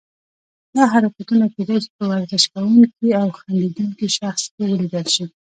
دا حرکتونه کیدای شي په ورزش کوونکي او خندیدونکي شخص کې ولیدل شي.